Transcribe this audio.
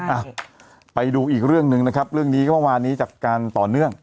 อ่ะไปดูอีกเรื่องหนึ่งนะครับเรื่องนี้เมื่อวานนี้จากการต่อเนื่อง